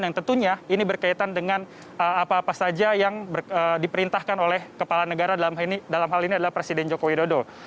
yang tentunya ini berkaitan dengan apa apa saja yang diperintahkan oleh kepala negara dalam hal ini adalah presiden joko widodo